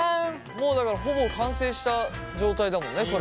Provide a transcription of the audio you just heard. もうだからほぼ完成した状態だもんねそれがね。